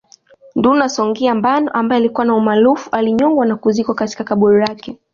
Nduna Songea Mbano ambaye alikuwa na umaarufu alinyongwa na kuzikwa katika kaburi lake